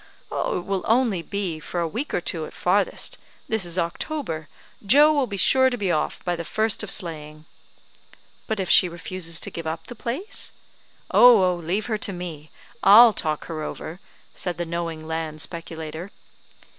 "It will only be for a week or two, at farthest. This is October; Joe will be sure to be off by the first of sleighing." "But if she refuses to give up the place?" "Oh, leave her to me. I'll talk her over," said the knowing land speculator.